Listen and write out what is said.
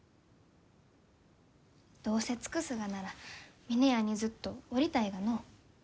どうせ尽くすがなら峰屋にずっとおりたいがのう。